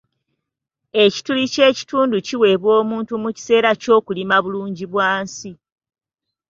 Ekituli ky’ekitundu ekiweebwa omuntu mu kiseera ky’okulima Bulungibwansi.